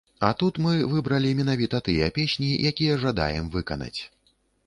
А тут мы выбралі менавіта тыя песні, якія жадаем выканаць.